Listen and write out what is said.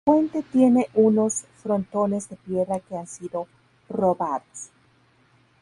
La fuente tiene unos frontones de piedra que han sido robados.